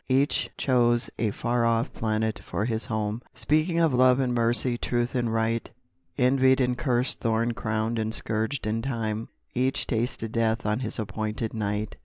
Each chose a far off planet for his home, Speaking of love and mercy, truth and right, Envied and cursed, thorn crowned and scourged in time, Each tasted death on his appointed night.